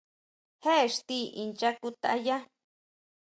¿Jé íxti incha kutayá?